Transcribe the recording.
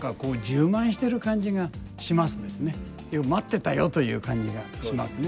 「よっ待ってたよ」という感じがしますね。